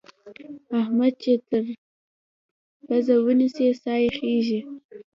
احمد چې تر پزه ونيسې؛ سا يې خېږي.